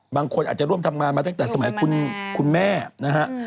บางคนอาจจะร่วมทำงานมาตั้งแต่สมัยคุณแม่นะฮะ